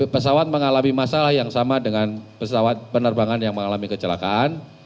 pesawat mengalami masalah yang sama dengan pesawat penerbangan yang mengalami kecelakaan